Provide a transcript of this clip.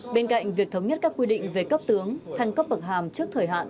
bên cạnh việc thống nhất các quy định về cấp tướng thăng cấp bậc hàm trước thời hạn